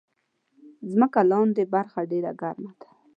مځکه لاندې برخه ډېره ګرمه ده.